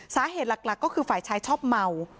สาเหตุหลักก็คือฝ่ายชายชอบเมา